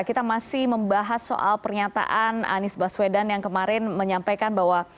kita masih membahas soal pernyataan anies baswedan yang kemarin menyampaikan bahwa